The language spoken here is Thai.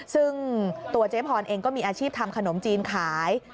ซึ่งตัวเจ๊พรเองก็มีอาชีพทำขนมจีนขาย